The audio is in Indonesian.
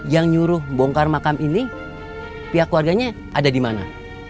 yang nyuruh bongkar makam ini pihak warganya ada dimana